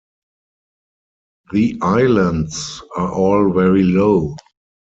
The islands are all very low.